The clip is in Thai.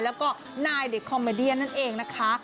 แล้วก็นายเด็กคอมเมเดียนั่นเองนะคะ